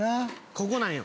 ここなんよ